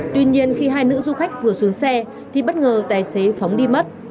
tuy nhiên khi hai nữ du khách vừa xuống xe thì bất ngờ tài xế phóng đi mất